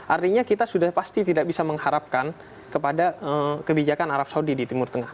artinya kita sudah pasti tidak bisa mengharapkan kepada kebijakan arab saudi di timur tengah